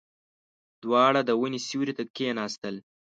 دواړه د ونې سيوري ته کېناستل.